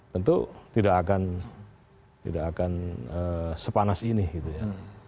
tentu tidak akan sepanas ini gitu ya